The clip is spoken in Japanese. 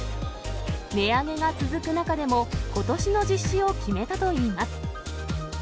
値上げが続く中でも、ことしの実施を決めたといいます。